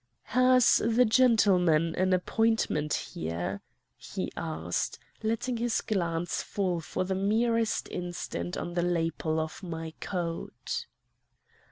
"'Has the gentleman an appointment here?' he asked, letting his glance fall for the merest instant on the lapel of my coat.